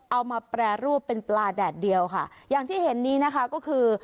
มาแปรรูปเป็นปลาแดดเดียวค่ะอย่างที่เห็นนี้นะคะก็คือ